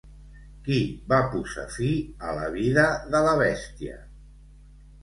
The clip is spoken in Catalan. Qui va posar fi a la vida de la bèstia?